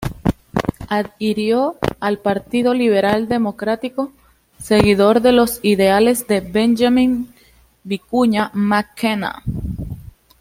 Adhirió al Partido Liberal Democrático, seguidor de los ideales de Benjamín Vicuña Mackenna.